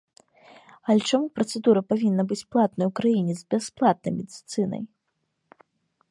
Але чаму працэдура павінна быць платнай у краіне з бясплатнай медыцынай?